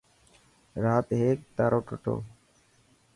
رات هيڪ تارو ٽٽو.